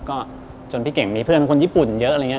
ก็จนพี่เก่งมีเพื่อนคนญี่ปุ่นเยอะอะไรอย่างนี้